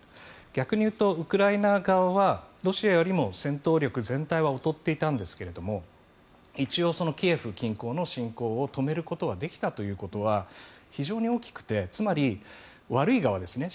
逆に言うとウクライナ側はロシアよりも戦闘力全体は劣っていたんですけれども一応、キエフ近郊の侵攻を止めることはできたということは非常に大きくてつまり悪い側ですね